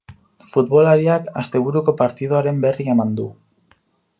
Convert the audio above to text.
Futbolariak, asteburuko partidoaren berri eman du.